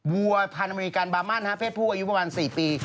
วัวพันธอเมริกันบามั่นเพศผู้อายุประมาณ๔ปี